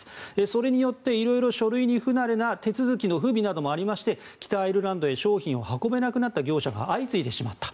それによって色々書類に不慣れな手続きの不備などもありまして北アイルランドへ商品を運べなくなった業者が相次いでしまった。